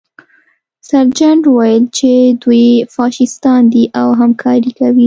سرجنټ وویل چې دوی فاشیستان دي او همکاري کوي